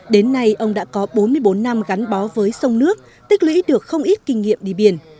đến nay ông đã có bốn mươi bốn năm gắn bó với sông nước tích lũy được không ít kinh nghiệm đi biển